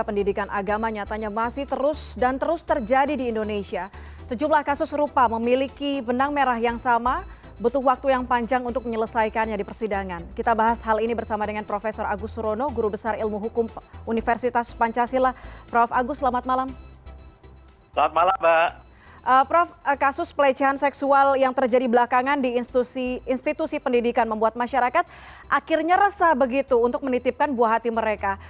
prof kasus pelecehan seksual yang terjadi belakangan di institusi pendidikan membuat masyarakat akhirnya resah begitu untuk menitipkan buah hati mereka